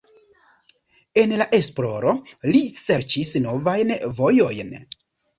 En la esploro li serĉis novajn vojojn.